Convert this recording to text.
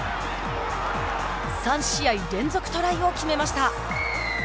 ３試合連続トライを決めました。